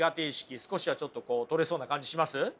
少しはちょっとこう取れそうな感じします？